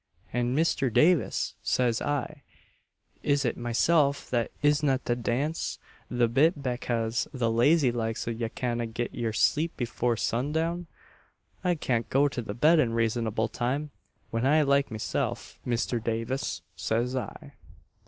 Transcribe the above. and Misther Davis, says I, is it myself that isna' to dance the bit bekase the lazy likes of ye canna get yer sleep before sun down? I shall go to the bed in reasonable time, when I like me self, Misther Davis, says I.